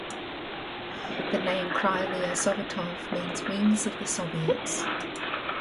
The name "Krylia Sovetov" means "Wings of the Soviets".